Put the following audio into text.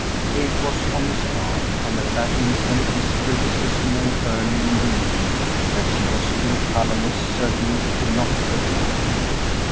Kate was on his arm, and at that instant his criticism, made earlier in the evening, that she was too colorless, certainly could not have applied.